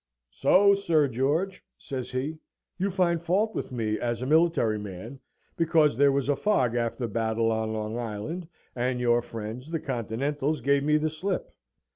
"So, Sir George," says he, "you find fault with me, as a military man, because there was a fog after the battle on Long Island, and your friends, the Continentals, gave me the slip!